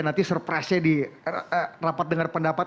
nanti surprise nya di rapat dengar pendapat